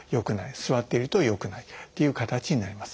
座っているとよくないっていう形になります。